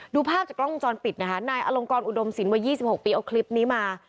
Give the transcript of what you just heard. ภาพจากกล้องวงจรปิดนะคะนายอลงกรอุดมศิลป์๒๖ปีเอาคลิปนี้มา